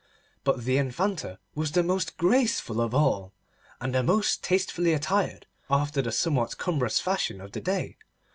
But the Infanta was the most graceful of all, and the most tastefully attired, after the somewhat cumbrous fashion of the day.